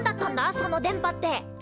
その電波って。